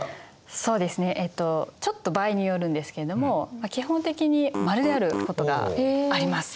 そうですねちょっと場合によるんですけれども基本的に○であることがあります。